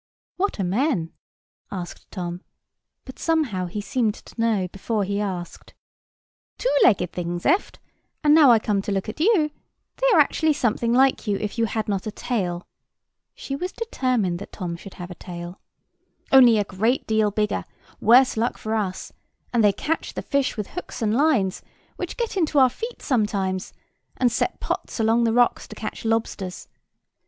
"What are men?" asked Tom; but somehow he seemed to know before he asked. "Two legged things, eft: and, now I come to look at you, they are actually something like you, if you had not a tail" (she was determined that Tom should have a tail), "only a great deal bigger, worse luck for us; and they catch the fish with hooks and lines, which get into our feet sometimes, and set pots along the rocks to catch lobsters.